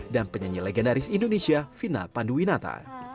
dan penyanyi legendaris indonesia fina panduwinata